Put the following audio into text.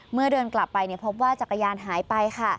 เดินกลับไปพบว่าจักรยานหายไป